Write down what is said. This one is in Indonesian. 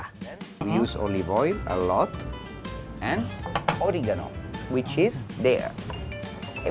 kita gunakan banyak minyak oliva dan oregano yang ada di sana